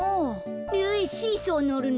シーソーのるの？